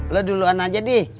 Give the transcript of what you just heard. lo duluan aja di